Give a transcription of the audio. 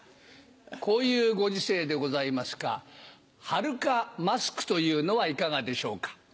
こういうご時世でございますがはるかマスクというのはいかがでしょうか？